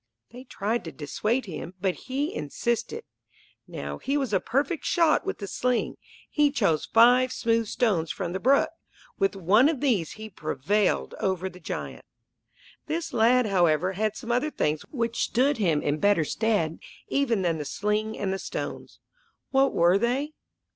They tried to dissuade him, but he insisted. Now he was a perfect shot with the sling. He chose five smooth stones from the brook. With one of these he prevailed over the giant. This lad, however, had some other things which stood him in better stead even than the sling and the stones. What were they?